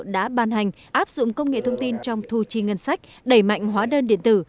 đã ban hành áp dụng công nghệ thông tin trong thu chi ngân sách đẩy mạnh hóa đơn điện tử